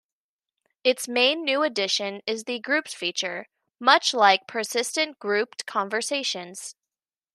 Its main new addition is the Groups feature, much like persistent grouped conversations.